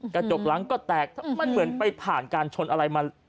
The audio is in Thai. กระจกหลังก็แตกมันเหมือนไปผ่านการชนอะไรมา